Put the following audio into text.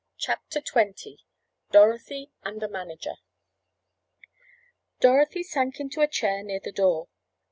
CHAPTER XX DOROTHY AND THE MANAGER Dorothy sank into a chair near the door.